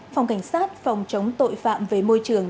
phòng cảnh sát phòng chống tội phạm về môi trường